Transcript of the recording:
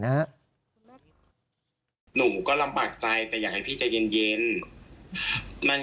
หน่อยหน่อยนะ